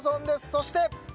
そして。